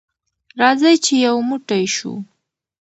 راځئ چې یو موټی شو.